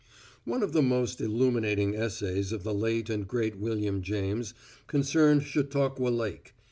One of the most illuminating essays of the late and great William James concerned Chautauqua Lake.